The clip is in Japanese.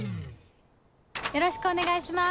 よろしくお願いします。